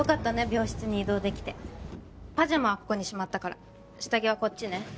病室に移動できてパジャマはここにしまったから下着はこっちね